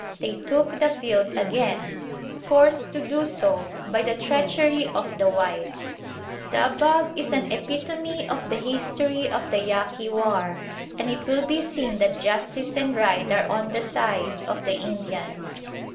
They took the field again, forced to do so by the treachery of the whites. "The above is an epitome of the history of the Yaqui war, and it will be seen that justice and right are on the side of the Indians.